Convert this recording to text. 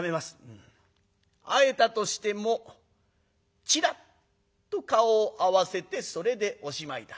「会えたとしてもちらっと顔を合わせてそれでおしまいだ。